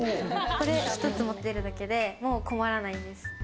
これ一つ持っているだけで、もう困らないんです。